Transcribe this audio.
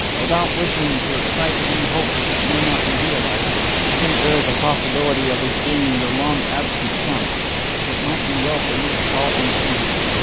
Without wishing to excite any hopes that may not be realized, I think there is a possibility of his being your long absent son. It might be well for you to call and see him.